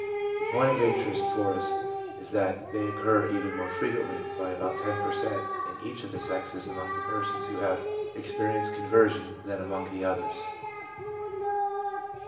The point of interest for us is that they occur even more frequently by about 10 per cent, in each of the sexes among the persons who have experienced conversion than among the others.